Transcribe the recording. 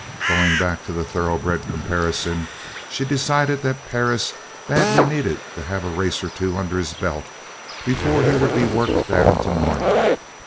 Going back to the thoroughbred comparison she decided that Perris badly needed to have a race or two under his belt before he would be worked down to normal.